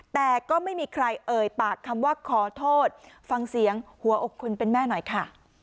แต่ก็ไม่มีใครเอ่ยปากคำว่าขอโทษฟังเสียงหัวอกคนเป็นแม่หน่อยค่ะ